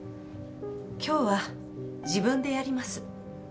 今日は自分でやります。